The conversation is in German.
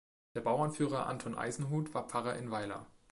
Der Bauernführer Anton Eisenhut war Pfarrer in Weiler.